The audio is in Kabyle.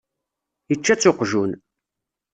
Ičča-tt uqjun.